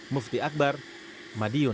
mufti akbar madiun